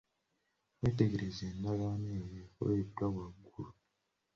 Weetegereze endagaano eyo ekoleddwa waggulu.